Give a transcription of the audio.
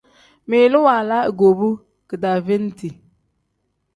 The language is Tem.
Ngmiilu waala igoobu kidaaveeniti.